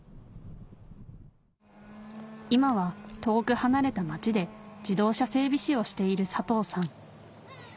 今は遠く離れた町で自動車整備士をしている佐藤さん